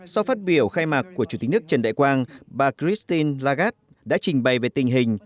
sau phát biểu khai mạc của chủ tịch nước trần đại quang bà christin lagarde đã trình bày về tình hình